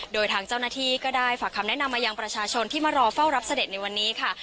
โดยทางเจ้าหน้าที่ก็ได้ฝากคำแนะนำมายังประชาชนที่มารอเฝ้ารับเสด็จในวันนี้ค่ะ